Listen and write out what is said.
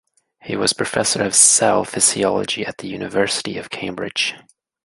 He was Professor of cell physiology at the University of Cambridge.